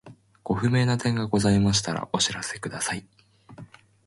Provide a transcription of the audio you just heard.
ご不明な点がございましたらお知らせください。